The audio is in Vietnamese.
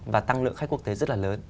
và tăng lượng khách quốc tế rất là lớn